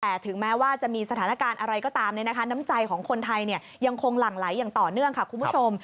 แต่ถึงแม้ว่าจะมีสถานการณ์อะไรก็ตามน้ำใจของคนไทยยังคงหลั่งไหลอย่างต่อเนื่องค่ะคุณผู้ชม